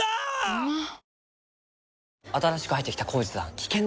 うまっ！！